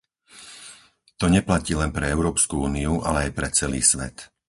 To neplatí len pre Európsku úniu, ale aj pre celý svet.